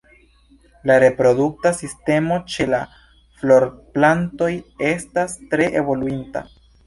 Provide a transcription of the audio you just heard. La reprodukta sistemo ĉe la florplantoj estas tre evoluinta.